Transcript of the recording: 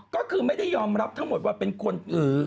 ก็คือไม่ได้ยอมรับทั้งหมดว่าเป็นคน